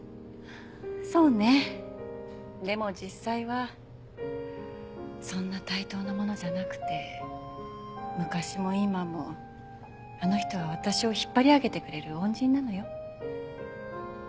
そうねでも実際はそんな対等なものじゃなくて昔も今もあの人は私を引っ張り上げてくれる恩人なのよ。